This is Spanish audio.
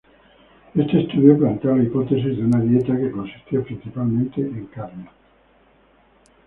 Este estudio plantea la hipótesis de una dieta que consistía principalmente en carne.